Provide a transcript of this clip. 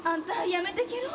やめてけろ。